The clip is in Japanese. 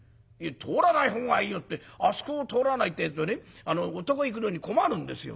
「通らないほうがいいよってあそこを通らないってえとねお得意行くのに困るんですよ」。